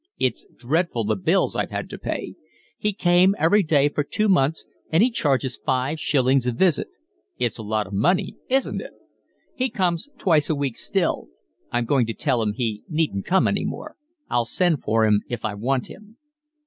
It's dreadful the bills I've had to pay. He came every day for two months, and he charges five shillings a visit. It's a lot of money, isn't it? He comes twice a week still. I'm going to tell him he needn't come any more. I'll send for him if I want him."